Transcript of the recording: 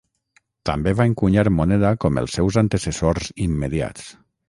També va encunyar moneda com els seus antecessors immediats.